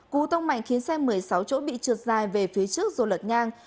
cú tông mạnh khiến xe một mươi sáu chỗ bị trượt dài về phía trước rồi lật ngang